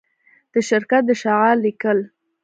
د شرکت د شعار لیکل